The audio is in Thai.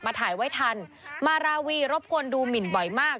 ถ่ายไว้ทันมาราวีรบกวนดูหมินบ่อยมาก